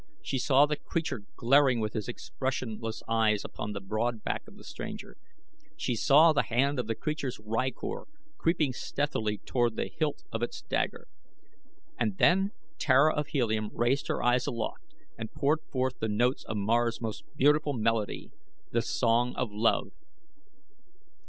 She saw the creature glaring with his expressionless eyes upon the broad back of the stranger. She saw the hand of the creature's rykor creeping stealthily toward the hilt of its dagger. And then Tara of Helium raised her eyes aloft and poured forth the notes of Mars' most beautiful melody, The Song of Love.